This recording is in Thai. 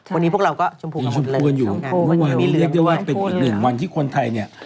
วันนี้พวกเราก็ชมพูลอยู่มีเรียกได้ว่าเป็นอีก๑วันที่คนไทยเนี่ย